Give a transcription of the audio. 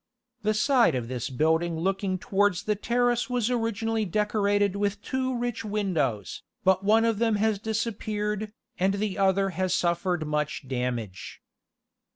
The side of this building looking towards the terrace was originally decorated with two rich windows, but one of them has disappeared, and the other has suffered much damage.